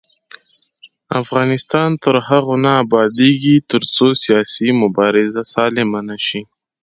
افغانستان تر هغو نه ابادیږي، ترڅو سیاسي مبارزه سالمه نشي.